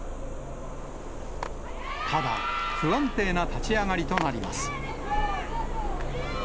ただ、不安定な立ち上がりとなります。